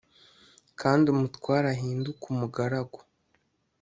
kandi umutware ahinduke umugaragu »